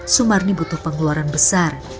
sumarni butuh pengeluaran besar